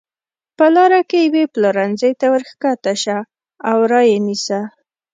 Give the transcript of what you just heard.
په لاره کې یوې پلورنځۍ ته ورکښته شه او را یې نیسه.